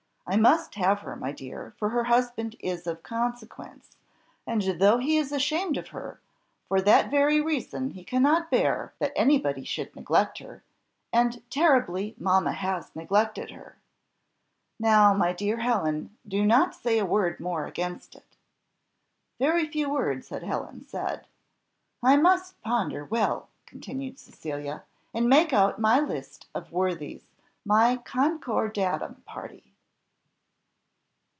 I must have her, my dear, for the husband is of consequence and, though he is ashamed of her, for that very reason he cannot bear that any body should neglect her, and terribly mamma has neglected her! Now, my dear Helen, do not say a word more against it." Very few words had Helen said. "I must ponder well," continued Cecilia, "and make out my list of worthies, my concordatum party."